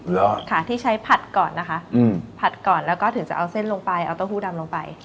ค่ะที่ใช้ผัดก่อนนะคะผัดก่อนแล้วก็ถึงจะเอาเส้นลงไปเอาเต้าหู้ดำลงไป